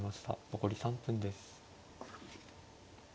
残り３分です。